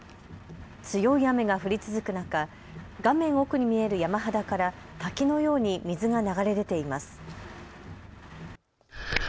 強い雨が降り続く中、画面奥に見える山肌から滝のように水が流れ出ています。